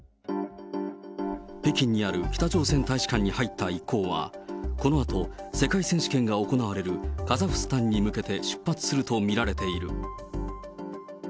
北京にある北朝鮮大使館に入った一行は、このあと世界選手権が行われるカザフスタンに向けて出発すると見られている。